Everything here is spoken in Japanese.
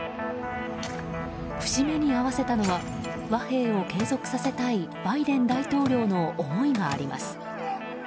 節目に合わせたのは和平を継続させたいバイデン大統領の思いがあります。